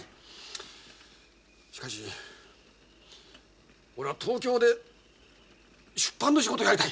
しかし俺は東京で出版の仕事をやりたい。